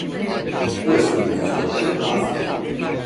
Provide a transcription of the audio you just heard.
Irz insanın kanı pahasıdır.